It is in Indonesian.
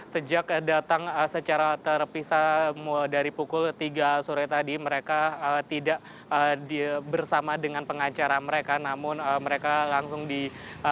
sejak datang secara terpisah dari pukul tiga sore tadi mereka tidak bersama dengan pengacara mereka namun mereka langsung di